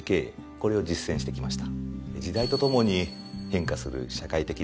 これを実践してきました。